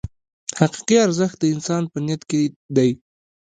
حقیقي ارزښت د انسان په نیت کې دی.